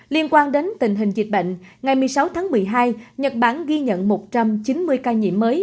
liên quan đến tình hình dịch bệnh ngày một mươi sáu tháng một mươi hai nhật bản ghi nhận một trăm chín mươi ca nhiễm mới